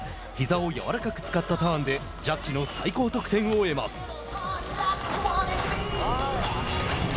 ひざを柔らかく使ったターンでジャッジの最高得点を得ます。